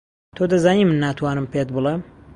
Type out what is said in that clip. تۆ دەزانی من ناتوانم پێت بڵێم.